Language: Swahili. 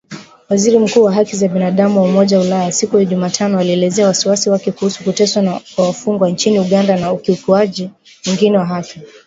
Mkuu wa haki za binadamu wa Umoja wa Ulaya, siku ya Jumatano, alielezea wasiwasi wake kuhusu kuteswa kwa wafungwa nchini Uganda na ukiukwaji mwingine wa haki